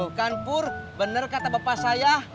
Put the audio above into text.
tuh kan pur bener kata bapak saya